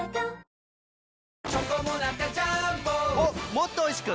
もっとおいしく！